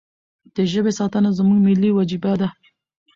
د ژبې ساتنه زموږ ملي وجیبه ده.